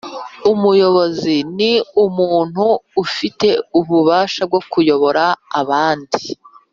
Umuyobozi Ni umuntu ufite ububasha bwo kuyobora abandi